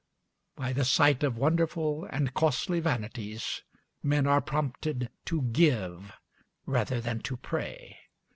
] By the sight of wonderful and costly vanities men are prompted to give, rather than to pray.